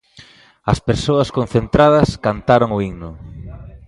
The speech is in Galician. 'As persoas concentradas cantaron o himno'.